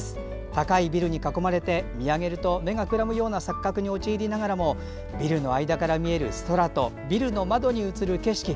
高いビルに囲まれて見上げると目がくらむような錯覚に陥りながらもビルの間から見える空とビルの窓に映る景色。